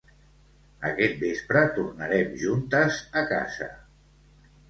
Aquest vespre tornarem juntes a casa